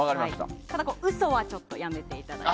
ただ、嘘はちょっとやめていただいて。